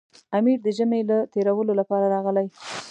امیر د ژمي له تېرولو لپاره راغی.